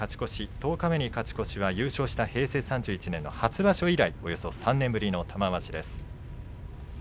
十日目に勝ち越しは優勝した平成３１年の初場所以来およそ３年ぶりの玉鷲です。